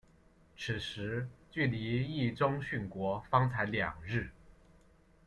此时距离毅宗殉国方才两日。